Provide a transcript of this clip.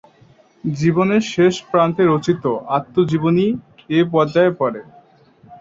জীবনের শেষ প্রান্তে রচিত আত্মজীবনী এ পর্যায়ে পড়ে।